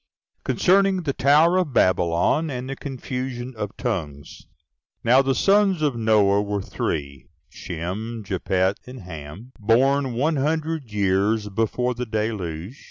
Concerning The Tower Of Babylon, And The Confusion Of Tongues. 1. Now the sons of Noah were three, Shem, Japhet, and Ham, born one hundred years before the Deluge.